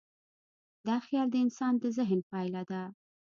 دا خیال د انسان د ذهن پایله ده.